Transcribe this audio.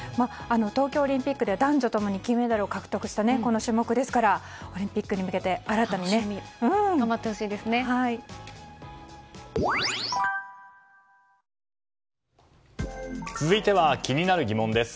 東京オリンピックで男女共に金メダルを獲得したこの種目ですからオリンピックに向けて続いては気になるギモンです。